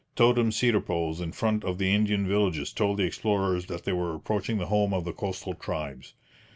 Totem cedar poles in front of the Indian villages told the explorers that they were approaching the home of the coastal tribes.